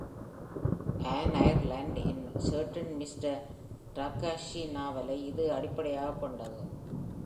Ann Ireland இன் "A Certain Mr. Takahashi" நாவலை இது அடிப்படையாகக் கொண்டது.